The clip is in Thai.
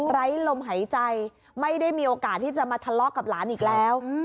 ไร้ลมหายใจไม่ได้มีโอกาสที่จะมาทะเลาะกับหลานอีกแล้ว